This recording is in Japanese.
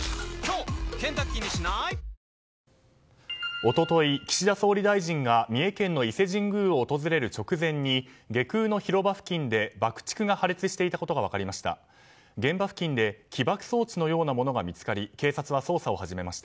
一昨日、岸田総理大臣が三重県の伊勢神宮を訪れる直前に外宮の広場付近で爆竹が破裂していたことが分かりました。